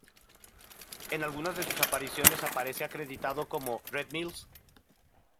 En algunas de sus apariciones aparece acreditado como "Red Mills".